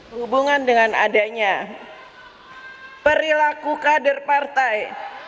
hubungan dengan adanya perilaku kader partai